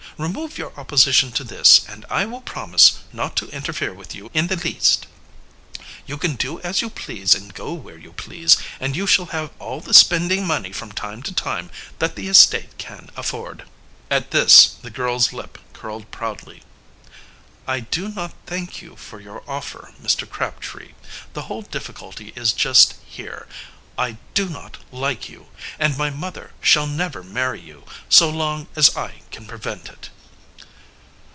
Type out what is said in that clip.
Remove your opposition to this, and I will promise not to interfere with you in the least. You can do as you please and go where you please, and you shall have all the spending money from time to time that the estate can afford." At this the girl's lip curled proudly. "I do not thank you for your offer, Mr. Crabtree. The whole difficulty is just here I do not like you; and my mother shall never marry you so long as I can prevent it."